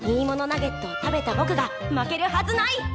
ナゲットを食べたぼくが負けるはずない！